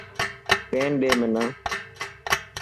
پين ڏي منا.